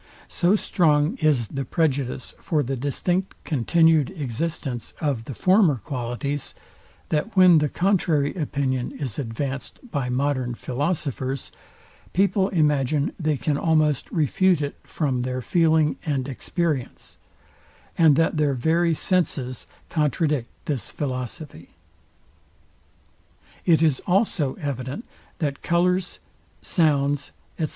So strong the prejudice for the distinct continued existence Of the former qualities, that when the contrary opinion is advanced by modern philosophers, people imagine they can almost refute it from their feeling and experience, and that their very senses contradict this philosophy. It is also evident, that colours, sounds, &c.